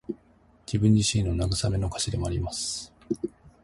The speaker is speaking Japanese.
自分自身への慰めの歌詞でもあります。